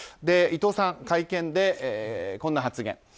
伊藤さん、会見でこんな発言。